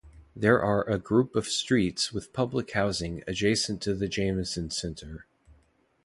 There are a group of streets with public housing adjacent to the Jamison Centre.